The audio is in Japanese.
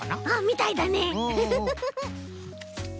みたいだね。